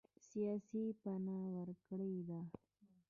سیاسي پناه ورکړې ده.